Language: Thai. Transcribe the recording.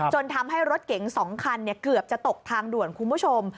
ทำให้รถเก๋ง๒คันเกือบจะตกทางด่วนคุณผู้ชม